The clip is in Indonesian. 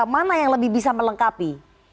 mana yang lebih bisa melengkapi